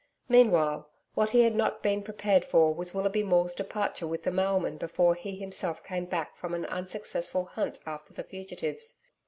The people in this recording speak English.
Meanwhile what he had not been prepared for was Willoughby Maule's departure with the mailman before he himself came back from an unsuccessful hunt after the fugitives.